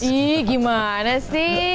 ih gimana sih